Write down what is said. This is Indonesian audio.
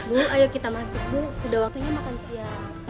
bu ayo kita masuk bu sudah waktunya makan siang